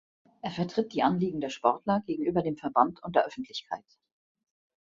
Er vertritt die Anliegen der Sportler gegenüber dem Verband und der Öffentlichkeit.